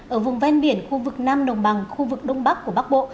ở vùng ven biển khu vực nam đồng bằng khu vực đông bắc của bắc bộ